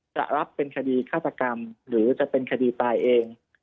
จะรับเป็นคดีฆาตกรรมหรือจะเป็นคดีตายเอง